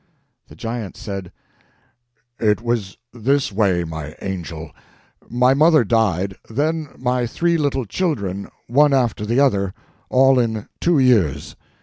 The giant said: "It was this way, my angel. My mother died, then my three little children, one after the other, all in two years.